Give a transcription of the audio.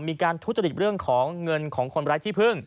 มีการทุจริตเรื่องของเงินของคนร้ายที่พึ่ง